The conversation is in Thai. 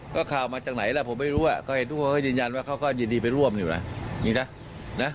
ก็ข่าวมาจากไหนแล้วผมไม่รู้อ่ะก็เห็นทุกคนก็ยืนยันว่าเขาก็ยินดีไปร่วมอยู่น่ะ